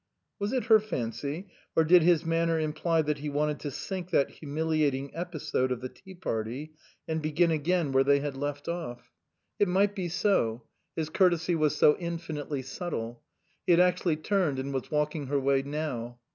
Was it her fancy, or did his manner imply that he wanted to sink that humiliating episode of the tea party and begin again where they had 266 UNDEE A BLUE MOON left off ? It might be so ; his courtesy was so infinitely subtle. He had actually turned and was walking her way now.